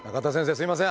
すいません。